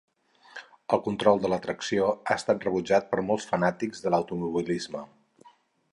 El control de tracció ha estat rebutjat per molts fanàtics de l'automobilisme.